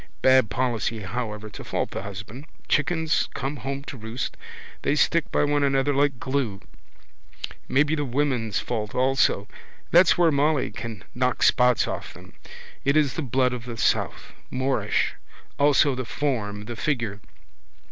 Bad policy however to fault the husband. Chickens come home to roost. They stick by one another like glue. Maybe the women's fault also. That's where Molly can knock spots off them. It's the blood of the south. Moorish. Also the form, the figure.